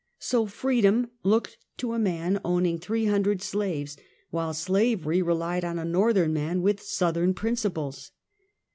So, Freedom looked to a man owning three hundred slaves, while slavery re lied on " a l^orthern man with Southern principles."